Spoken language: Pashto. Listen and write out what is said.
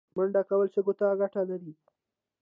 منډه کول سږو ته ګټه لري